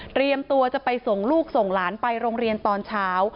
ตัวจะไปส่งลูกส่งหลานไปโรงเรียนตอนเช้า